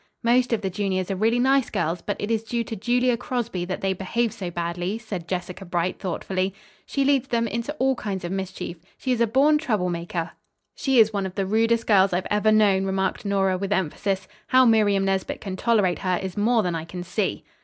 "Most of the juniors are really nice girls, but it is due to Julia Crosby that they behave so badly," said Jessica Bright thoughtfully, "She leads them, into all kinds of mischief. She is a born trouble maker." "She is one of the rudest girls I have ever known," remarked Nora with emphasis. "How Miriam Nesbit can tolerate her is more than I can see."